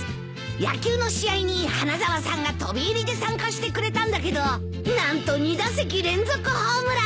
野球の試合に花沢さんが飛び入りで参加してくれたんだけど何と２打席連続ホームラン。